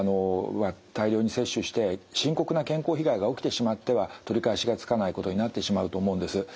大量に摂取して深刻な健康被害が起きてしまっては取り返しがつかないことになってしまうと思うんです。